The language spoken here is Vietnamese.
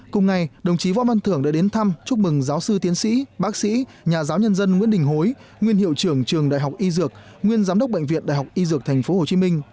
cùng ngày đồng chí võ văn thưởng đã đến thăm chúc mừng giáo sư tiến sĩ bác sĩ nhà giáo nhân dân nguyễn đình hối nguyên hiệu trưởng trường đại học y dược nguyên giám đốc bệnh viện đại học y dược tp hcm